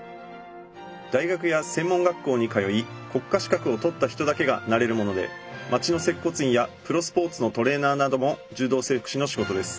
大学や専門学校に通い国家資格を取った人だけがなれるもので町の接骨院やプロスポーツのトレーナーなども柔道整復師の仕事です。